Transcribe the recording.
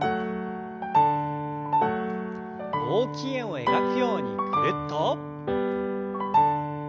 大きい円を描くようにぐるっと。